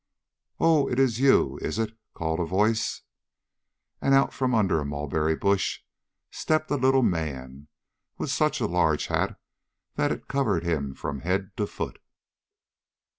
"Oh, it's you, is it?" called a voice, and out from under a mulberry bush stepped a little man, with such a large hat that it covered him from head to foot.